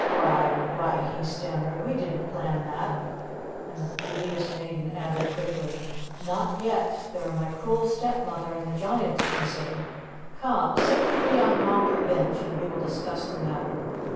"Why why " he stammered, "we didn't plan that." And the Beauteous Maiden added quickly, "Not yet. There are my cruel stepmother and the giant to consider. Come, sit with me on yonder bench, and we will discuss the matter."